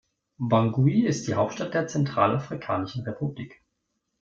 Bangui ist die Hauptstadt der Zentralafrikanischen Republik.